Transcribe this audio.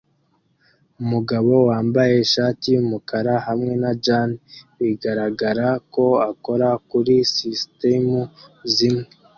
Umugabo wambaye ishati yumukara hamwe na jans bigaragara ko akora kuri sisitemu zimwe